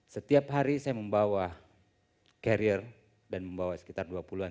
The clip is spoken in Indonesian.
setiap hari saya membawa karier dan membawa sekitar dua puluh an sampai empat puluh an